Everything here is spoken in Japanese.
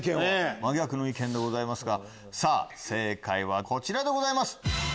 真逆の意見でございますが正解はこちらでございます。